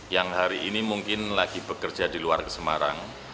yang hari ini mungkin lagi bekerja di luar ke semarang